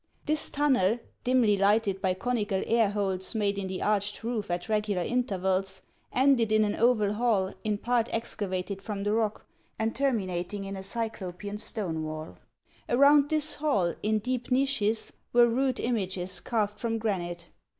This tunnel, dimly lighted by conical air holes made in the arched roof at regular intervals, ended in an oval hall in part excavated from the rock, and terminating in a cyclopeau stone wall. Around this hall, in deep niches, were rude images carved from granite.